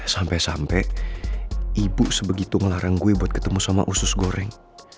sampai sampai ibu sebegitu ngelarang gue buat ketemu sama usus goreng